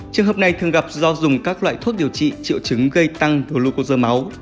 trường hợp này thường gặp do dùng các loại thuốc điều trị triệu chứng gây tăng glucosa máu